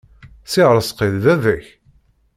Si Rezqi d baba-k?